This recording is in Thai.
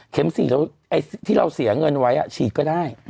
เข็มสี่ที่เราเสียเงินไว้ฉีดไปได้